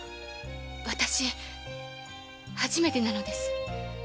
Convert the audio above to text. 私初めてなのです。